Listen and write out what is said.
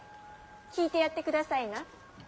聞いてやってくださいな。